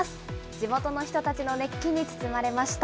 地元の人たちの熱気に包まれました。